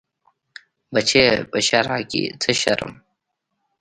بچيه په شرع کې څه شرم.